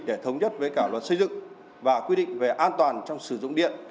để thống nhất với cả luật xây dựng và quy định về an toàn trong sử dụng điện